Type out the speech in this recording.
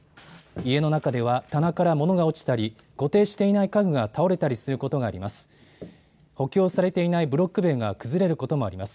家の中では棚から物が落ちたり、固定していない家具が倒れたりすることがあります。